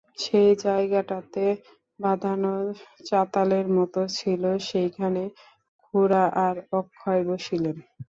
সেই জায়গাটাতে বাঁধানো চাতালের মতো ছিল, সেইখানে খুড়া আর অক্ষয় বসিলেন।